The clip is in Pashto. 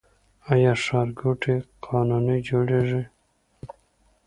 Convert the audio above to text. آیا ښارګوټي قانوني جوړیږي؟